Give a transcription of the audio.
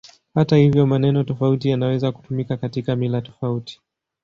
Hata hivyo, maneno tofauti yanaweza kutumika katika mila tofauti.